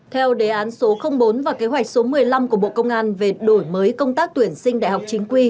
theo đề án số bốn và kế hoạch số một mươi năm của bộ công an về đổi mới công tác tuyển sinh đại học chính quy